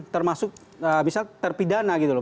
termasuk misalnya terpidana gitu loh